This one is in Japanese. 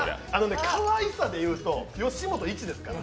かわいさで言うと吉本イチですから。